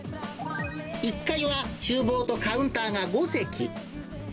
１階はちゅう房とカウンターが５席。